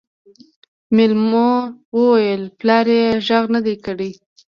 مېلمو وويل پلار يې غږ نه دی کړی.